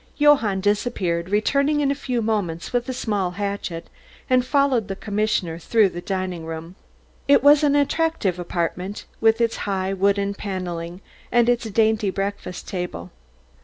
Johann disappeared, returning in a few moments with a small hatchet, and followed the commissioner through the dining room. It was an attractive apartment with its high wooden panelling and its dainty breakfast table.